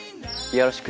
よろしく。